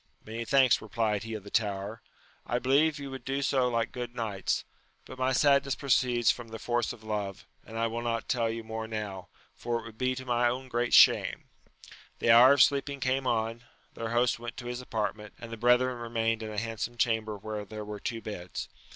Many thanks replied he of the tower : I believe you would do so like good knights : 16 342 AMADIS OF GAUL. but my sadness proceeds from the force of love, and I will not tell you more now, for it would be to my own great shame. The hour of sleeping came on; their host went to his apartment, and the brethren remained in a handsome chamber where there were two beds.